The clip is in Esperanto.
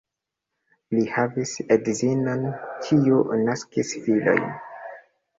Li havis edzinon, kiu naskis filojn.